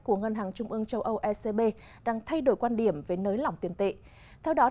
của ngân hàng trung ương châu âu ecb đang thay đổi quan điểm về nới lỏng tiền tệ